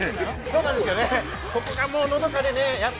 ここがもう、のどかでね。